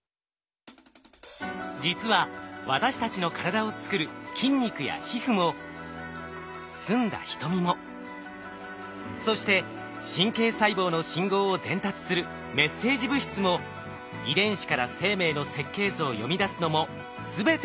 実は私たちの体をつくる筋肉や皮膚も澄んだ瞳もそして神経細胞の信号を伝達するメッセージ物質も遺伝子から生命の設計図を読み出すのも全てタンパク質。